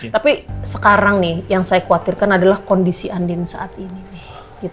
tapi sekarang nih yang saya khawatirkan adalah kondisi andin saat ini nih